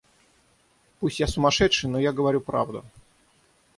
Пусть я сумасшедший, но я говорю правду.